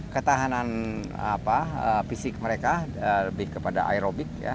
ketahanan fisik mereka lebih kepada aerobik